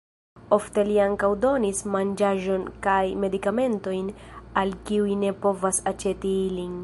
Ofte li ankaŭ donis manĝaĵon kaj medikamentojn al kiuj ne povas aĉeti ilin.